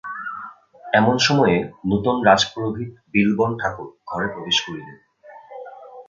এমন সময়ে নূতন রাজপুরোহিত বিল্বন ঠাকুর ঘরে প্রবেশ করিলেন।